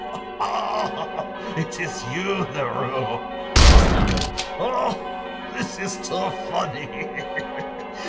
"Ah! it is you, Leroux," he stammered. "Oh! this is too funny!